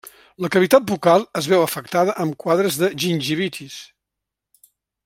La cavitat bucal es veu afectada amb quadres de gingivitis.